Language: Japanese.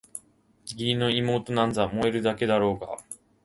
義理の妹なんざ萌えるだけだろうがあ！